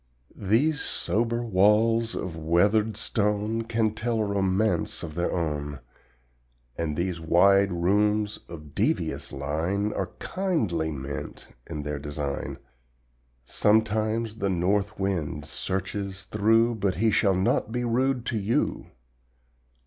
These sober walls of weathered stone Can tell a romance of their own, And these wide rooms of devious line Are kindly meant in their design. Sometimes the north wind searches through, But he shall not be rude to you.